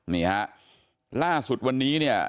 นี่ฮะล่าสุดวันนี้เนี่ย